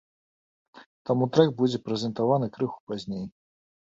Таму трэк будзе прэзентаваны крыху пазней.